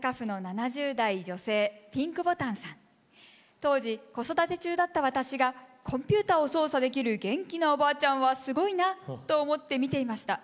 当時子育て中だった私がコンピューターを操作できる元気なおばあちゃんはすごいなと思って見ていました。